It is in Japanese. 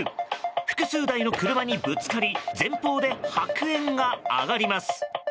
複数台の車にぶつかり前方で白煙が上がります。